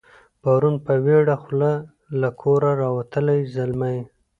پرون په ویړه خوله له کوره راوتلی زلمی